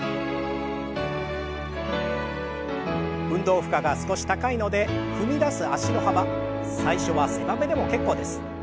運動負荷が少し高いので踏み出す脚の幅最初は狭めでも結構です。